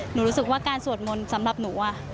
รู้สึกว่าการสวดมนต์สำหรับหนู